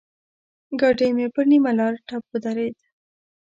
ګاډی مې پر نيمه لاره ټپ ودرېد.